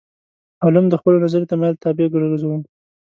علوم د خپلو نظري تمایل طابع ګرځوو.